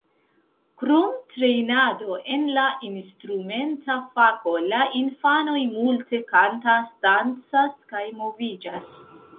Krom trejnado en la instrumenta fako la infanoj multe kantas, dancas kaj moviĝas.